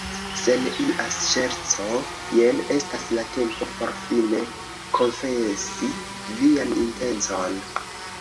Sen ia ŝerco, jen estas la tempo por fine konfesi vian intencon!